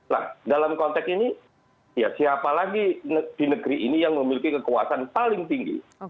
nah dalam konteks ini ya siapa lagi di negeri ini yang memiliki kekuasaan paling tinggi